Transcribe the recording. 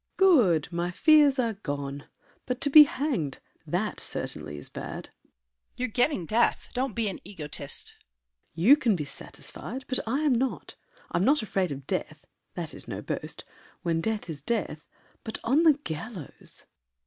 SAVERNY. Good! My fears are gone! But to be hanged! That certainly is bad. DIDIER. You're getting death; don't be an egotist. SAVERNY. You can be satisfied; but I am not. I'm not afraid of death—that is no boast— When death is death, but on the gallows!